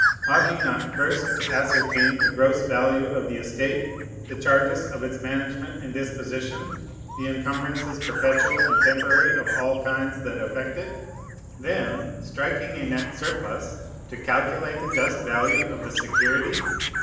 Ought he not first to ascertain the gross value of the estate, the charges of its management and disposition, the incumbrances perpetual and temporary of all kinds that affect it, then, striking a net surplus, to calculate the just value of the security?